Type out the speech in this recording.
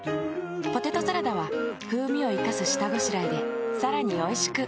ポテトサラダは風味を活かす下ごしらえでさらに美味しく。